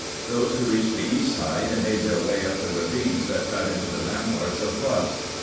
Those who reached the east side made their way up the ravines that cut into the rampart of bluffs.